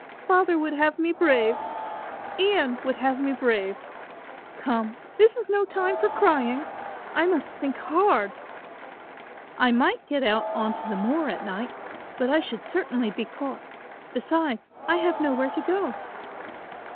"Father would have me brave; Ian would have me brave. Come, this is no time for crying, I must think hard." "I might get out on to the moor at night, but I should certainly be caught. Besides I have nowhere to go.